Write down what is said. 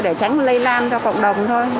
để tránh lây lan cho cộng đồng thôi